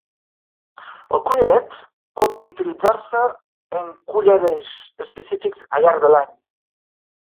El collaret pot utilitzar-se en "Collar Days" específics al llarg de l'any.